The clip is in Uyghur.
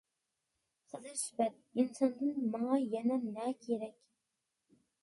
خىزىر سۈپەت ئىنساندىن ماڭا يەنە نە كېرەك.